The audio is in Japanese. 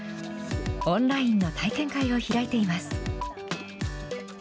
オンラインの体験会を開いています。